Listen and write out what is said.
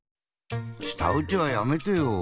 したうちはやめてよ。